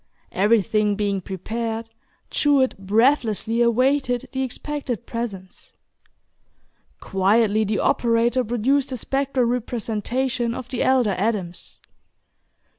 Everything being prepared, Jewett breathlessly awaited the expected presence. Quietly the operator produced the spectral representation of the elder Adams.